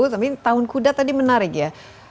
tapi tahun kuda tadi menarik ya